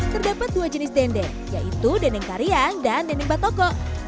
terdapat dua jenis dendeng yaitu dendeng kariang dan dendeng batoko